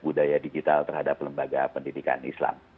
budaya digital terhadap lembaga pendidikan islam